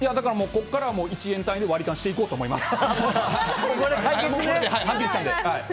ここからは１円単位で割り勘していこうと思います。